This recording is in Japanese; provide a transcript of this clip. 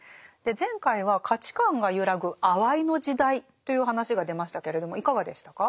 前回は価値観が揺らぐ「あわいの時代」という話が出ましたけれどもいかがでしたか？